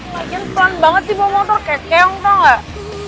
lagian pelan banget sih bawa motor kekeong tau gak